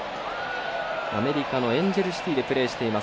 アメリカのエンジェルシティーでプレーしています。